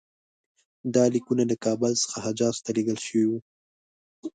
دا لیکونه له کابل څخه حجاز ته لېږل شوي وو.